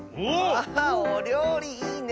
あおりょうりいいね。